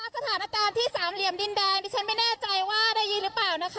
สถานการณ์ที่สามเหลี่ยมดินแดงดิฉันไม่แน่ใจว่าได้ยินหรือเปล่านะคะ